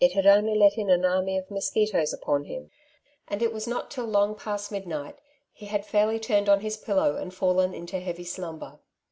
had only let in an army of mosqnitoea upon him ; and it was not till long past midnight he had fairly tnrned on his pillow and fallen into heavy slumber.